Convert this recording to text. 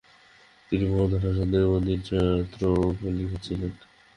তিনি মাহমুদুল হাসান দেওবন্দির ছাত্র ও খলিফা ছিলেন।